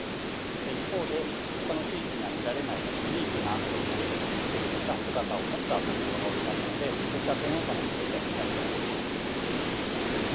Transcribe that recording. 一方で他の地域には見られないユニークな造形ですとか姿を持った仏像がおりますのでそういった点を楽しんで頂きたいと思います。